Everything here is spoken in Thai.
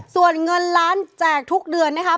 ส่วนเงินล้านแจกทุกเดือนนะครับ